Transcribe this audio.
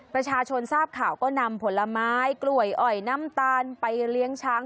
ประชาชนทราบข่าวก็นำผลไม้กล้วยอ่อยน้ำตาลไปเลี้ยงช้าง